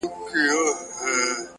بلا وهلی يم _ چي تا کوم بلا کومه _